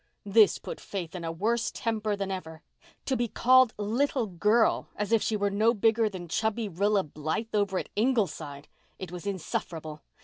This put Faith in a worse temper than ever. To be called "little girl" as if she were no bigger than chubby Rilla Blythe over at Ingleside! It was insufferable.